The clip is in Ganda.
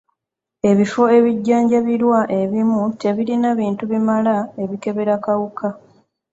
Ebifo ebijjanjabirwamu ebimu tebirina bintu bimala ebikebera kawuka.